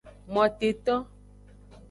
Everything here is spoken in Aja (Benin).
Moteto.